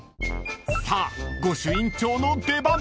［さあ御朱印帳の出番］